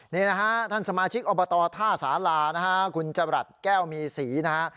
นี่นะฮะท่านสมาชิกอบตท่าสารานะฮะคุณจรัสแก้วมีศรีนะฮะ